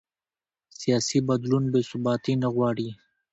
سیاسي بدلون بې ثباتي نه غواړي